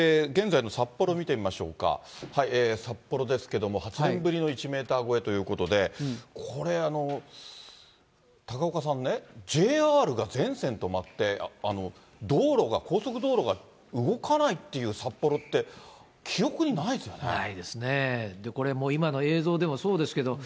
現在の札幌見てみましょうか、札幌ですけれども、８年ぶりの１メーター超えということで、これ、高岡さんね、ＪＲが全線止まって、道路が、高速道路が動かないっていう、札幌って、記憶にないですよね。